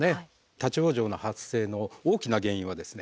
立往生の発生の大きな原因はですね